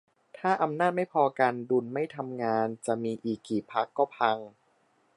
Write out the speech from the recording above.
ถ้าอำนาจไม่พอกัน ดุลไม่ทำงาน จะมีอีกกี่พรรคก็พัง